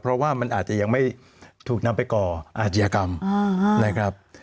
เพราะว่ามันอาจจะยังไม่ถูกนำไปก่ออาชญากรรมนะครับ